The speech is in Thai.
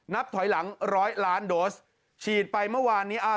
นับถอยหลังร้อยล้านโดสฉีดไปเมื่อวานนี้อ่า